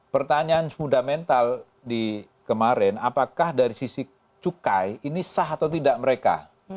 pertanyaan fundamental di kemarin apakah dari sisi cukai ini sah atau tidak mereka